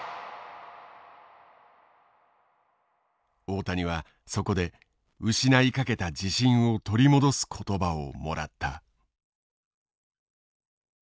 大谷はそこで失いかけた自信を取り戻す言葉をもらった。